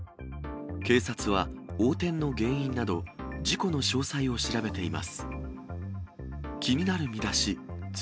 警察は、横転の原因など、事故の詳細を調べています。